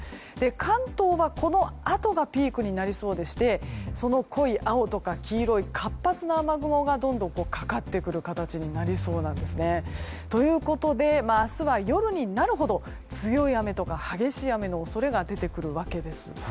関東は、このあとがピークになりそうでしてその濃い青とか黄色い活発な雨雲がどんどんかかってくる形になりそうなんですね。ということで明日は夜になるほど強い雨とか激しい雨の恐れが出てくるわけです。